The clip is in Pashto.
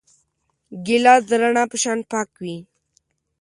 ګیلاس د رڼا په شان پاک وي.